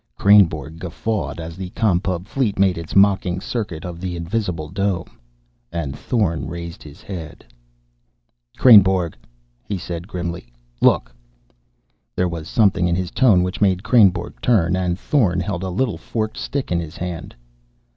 Kreynborg guffawed as the Com Pub fleet made its mocking circuit of the invisible dome. And Thorn raised his head. "Kreynborg!" he said grimly. "Look!" There was something in his tone which made Kreynborg turn. And Thorn held a little forked stick in his hand.